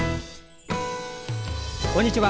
こんにちは。